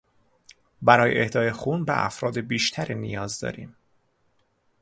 برای اهدای خون به افراد بیشتری نیاز داریم.